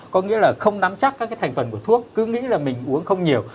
có nghĩa là không nắm chắc các cái thành phần của thuốc cứ nghĩ là mình uống không nhiều